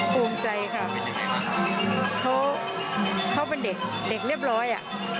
ภูมิใจครับเขาเป็นเด็กเรียบร้อย